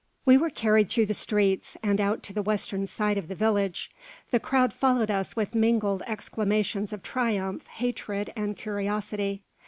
We were carried through the streets, and out to the western side of the village. The crowd followed us with mingled exclamations of triumph, hatred, and curiosity.